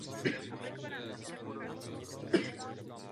Zjednodušené nastavení pouze povoluje či zakazuje generování přerušení.